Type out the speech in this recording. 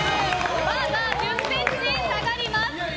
バーが１０ｃｍ下がります。